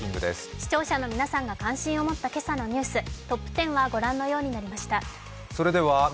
視聴者の皆さんが関心を持った今朝のニュース、トップ１０はご覧のようになりました。